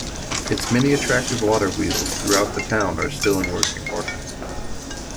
Its many attractive water wheels throughout the town are still in working order.